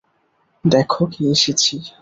দ্যাখো কে এসেছি।